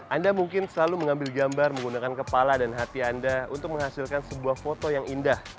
anda mungkin selalu mengambil gambar menggunakan kepala dan hati anda untuk menghasilkan sebuah foto yang indah